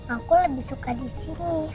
aku lebih suka di sini